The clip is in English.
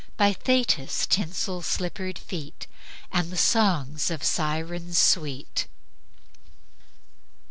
By Thetis' tinsel slippered feet, And the songs of Sirens sweet;" etc.